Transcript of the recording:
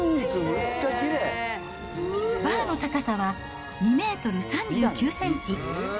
バーの高さは２メートル３９センチ。